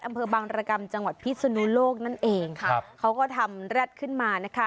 อำเภอบางรกรรมจังหวัดพิศนุโลกนั่นเองครับเขาก็ทำแร็ดขึ้นมานะคะ